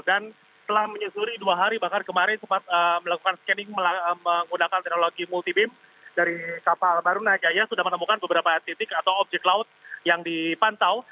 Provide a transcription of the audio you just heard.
dan telah menyusuri dua hari bahkan kemarin sempat melakukan scanning menggunakan teknologi multi beam dari kapal baru naik kaya sudah menemukan beberapa titik atau objek laut yang dipantau